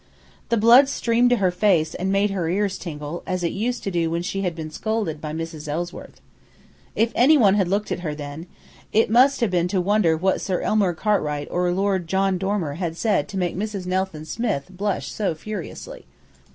The blood streamed to her face and made her ears tingle, as it used to do when she had been scolded by Mrs. Ellsworth. If any one had looked at her then, it must have been to wonder what Sir Elmer Cartwright or Lord John Dormer had said to make Mrs. Nelson Smith blush so furiously.